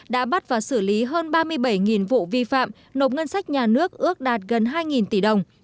đã bắt và xử lý hơn ba mươi bảy vụ vi phạm nộp ngân sách nhà nước ước đạt gần hai tỷ đồng